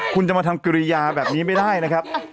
คุณจะมาทำกิริยาแบบนี้ไม่ได้นะครับ